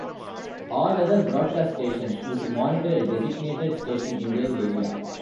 All other broadcast stations would monitor a designated station in their area.